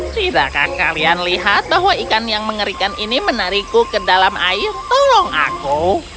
tidakkah kalian lihat bahwa ikan yang mengerikan ini menarikku ke dalam air tolong aku